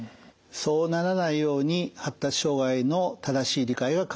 そうならないように発達障害の正しい理解は欠かせません。